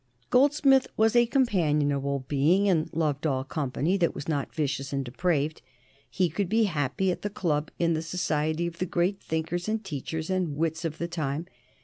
Goldsmith was a companionable being and loved all company that was not vicious and depraved. He could be happy at the club in the society of the great thinkers and teachers and wits of the time.